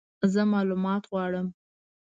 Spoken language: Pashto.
زه مالومات غواړم !